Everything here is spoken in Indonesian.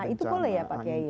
itu boleh ya pak kiai